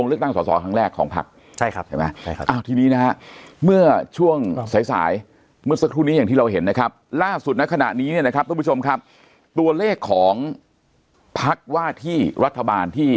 ลงเลือกตั้งสอสอครั้งแรกของพลักษณ์